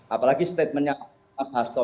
apalagi statementnya pak hasto